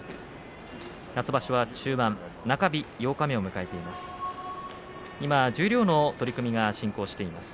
夏場所は中盤中日、八日目を迎えています。